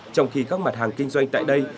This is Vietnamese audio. trong khi các mặt hàng kinh doanh tại đây